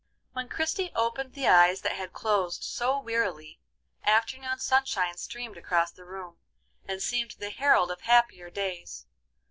] When Christie opened the eyes that had closed so wearily, afternoon sunshine streamed across the room, and seemed the herald of happier days.